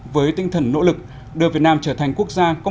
với tinh thần nỗ lực đưa việt nam trở thành quốc gia